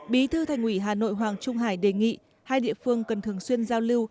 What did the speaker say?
bí thư thành ủy hà nội hoàng trung hải đề nghị hai địa phương cần thường xuyên giao lưu